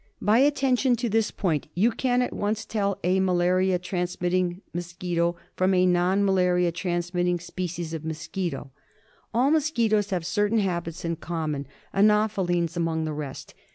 By attention to this point you can at once tell a malaria transmitting from a non malaria transmitting species of mosquito. All mosquitoes have certain habits in common, anophelines among the rest.